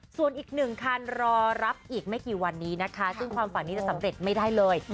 ส่วนอีกหนึ่งคันรอรับอีกไม่กี่วันนี้นะคะซึ่งความฝันนี้จะสำเร็จไม่ได้เลย